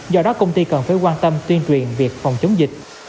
mà trong thời gian vừa qua chúng ta biết rằng